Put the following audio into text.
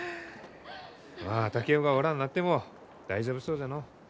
まあ竹雄がおらんなっても大丈夫そうじゃのう。